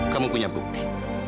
kamu punya bukti